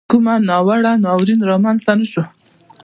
کومه ناوړه ناورین را مینځته نه سو.